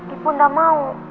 ibu nggak mau